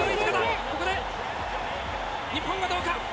ここで日本がどうか？